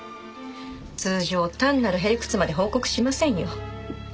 通常単なる屁理屈まで報告しませんよ。